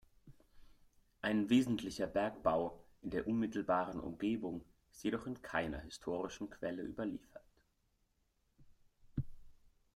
Ein wesentlicher Bergbau in der unmittelbaren Umgebung ist jedoch in keiner historischen Quelle überliefert.